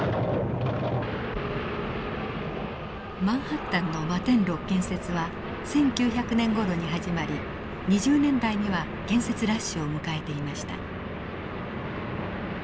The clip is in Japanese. マンハッタンの摩天楼建設は１９００年ごろに始まり２０年代には建設ラッシュを迎えていました。